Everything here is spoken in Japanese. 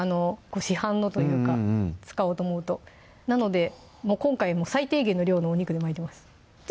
市販のというか使おうと思うとなので今回最低限の量のお肉で巻いてますじゃ